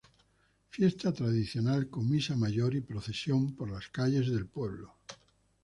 Fiesta tradicional con Misa mayor y procesión por las calles del pueblo.